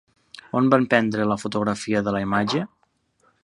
On van prendre la fotografia de la imatge?